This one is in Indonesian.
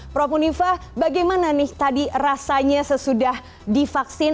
prof unifah bagaimana nih tadi rasanya sesudah divaksin